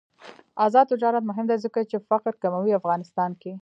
آزاد تجارت مهم دی ځکه چې فقر کموي افغانستان کې.